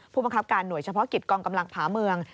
ผู้บังคับการหน่วยเฉพาะกิจกองกำลังผาเมือง